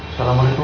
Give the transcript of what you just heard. aku sumpah roy